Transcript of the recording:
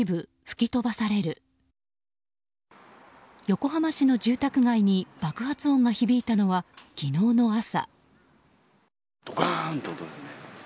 横浜市の住宅街に爆発音が響いたのは昨日の朝。